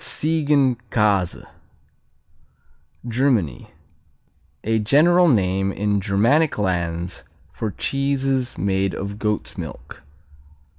Ziegenkäse Germany A general name in Germanic lands for cheeses made of goat's milk.